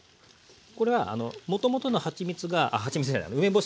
これはもともとのはちみつがあっはちみつじゃない梅干しがね